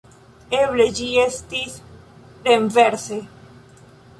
Eble ĝi estis renverse.